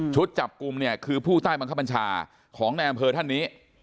จับกลุ่มเนี่ยคือผู้ใต้บังคับบัญชาของในอำเภอท่านนี้